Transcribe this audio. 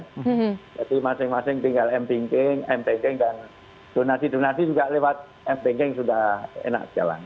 jadi masing masing tinggal mpengkeng dan donasi donasi juga lewat mpengkeng sudah enak jalan